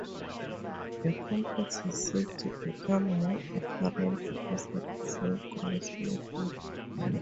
The complex is said to become more apparent as a person grows older.